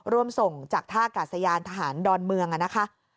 ร่วมส่งจากท่ากาศยานทหารดอนเมืองนะคะ